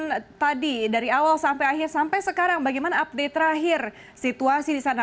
dan tadi dari awal sampai akhir sampai sekarang bagaimana update terakhir situasi di sana